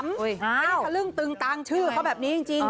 หน้าทะลึ่งตึงตังชื่อเขาแบบนี้จริง